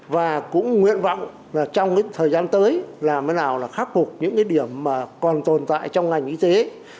và cũng nguyện vọng là trong thời gian tới là mới nào là khắc phục những cái điểm mà còn tồn tại trong ngành y tế